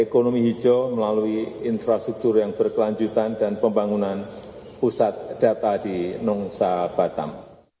dan memiliki infrastruktur yang berkelanjutan dan pembangunan pusat data di nongsa batam